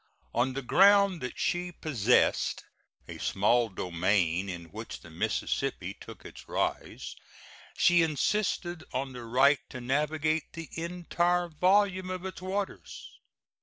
On the ground that she possessed a small domain in which the Mississippi took its rise, she insisted on the right to navigate the entire volume of its waters.